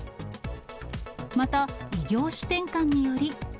また、異業種転換により。